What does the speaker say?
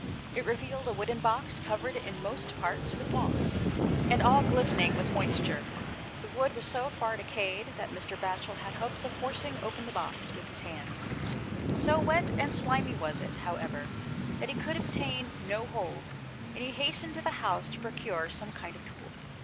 It revealed a wooden box, covered in most parts with moss, and all glistening with moisture. The wood was so far decayed that Mr. Batchel had hopes of forcing open the box with his hands; so wet and slimy was it, however, that he could obtain no hold, and he hastened to the house to procure some kind of tool.